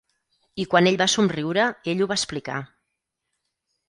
I quan ell va somriure ell ho va explicar.